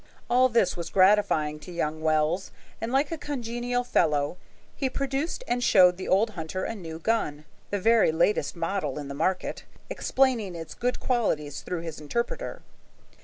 All this was gratifying to young Wells, and like a congenial fellow, he produced and showed the old hunter a new gun, the very latest model in the market, explaining its good qualities through his interpreter.